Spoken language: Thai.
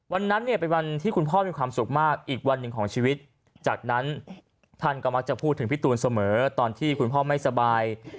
วันนั้นเนี่ยเป็นวันที่คุณพ่อมีความสุขมากอีกวันหนึ่งของชีวิตจากนั้นท่านก็มักจะพูดถึงพี่ตูนเสมอตอนที่คุณพ่อไม่สบาย